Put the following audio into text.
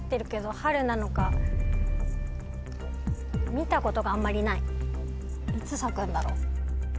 見たことがあんまりないいつ咲くんだろう。